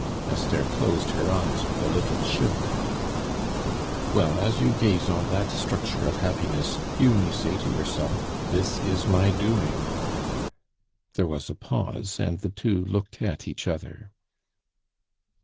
Esther closed her eyes with a little shiver. "Well, as you gaze on that structure of happiness, you may say to yourself, 'This is my doing!'" There was a pause, and the two looked at each other.